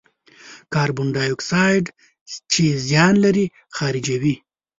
کاربن دای اکساید چې زیان لري، خارجوي.